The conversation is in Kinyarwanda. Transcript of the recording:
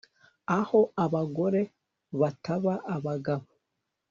aho abagore bataba abagabo